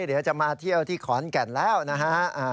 เดี๋ยวจะมาเที่ยวที่ขอนแก่นแล้วนะฮะ